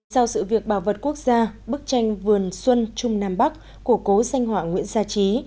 sau sự việc bảo vật quốc gia bức tranh vườn xuân trung nam bắc của cố danh họa nguyễn gia trí